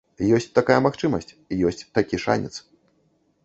Ёсць такая магчымасць, ёсць такі шанец.